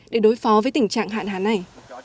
để đối phó với tình trạng hạn hán này